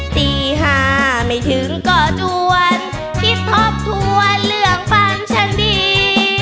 ตี๕ไม่ถึงก็ดวนคิดทบทวนเรื่องบ้านฉันดี